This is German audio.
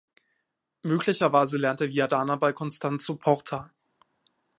Möglicherweise lernte Viadana bei Constanzo Porta.